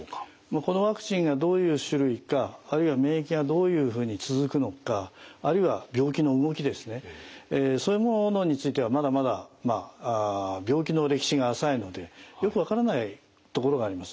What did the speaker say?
このワクチンがどういう種類かあるいは免疫がどういうふうに続くのかあるいは病気の動きですねそういうものについてはまだまだ病気の歴史が浅いのでよく分からないところがあります。